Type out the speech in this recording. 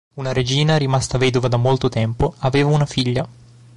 Una regina, rimasta vedova da molto tempo, aveva una figlia.